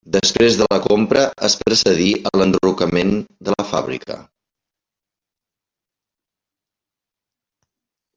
Després de la compra es precedí a l'enderrocament de la fàbrica.